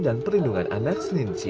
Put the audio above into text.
dan perlindungan anak seninsia